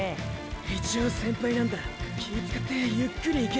一応先輩なんだ気ぃ遣ってゆっくり行けよ。